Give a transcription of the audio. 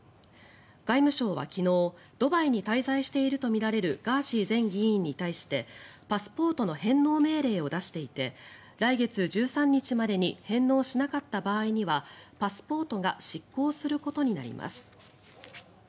外務省は昨日ドバイに滞在しているとみられるガーシー前議員に対してパスポートの返納命令を出していて来月１３日までに返納しなかった場合にはパスポートが失効することになります。